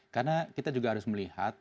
karena kita juga harus melihat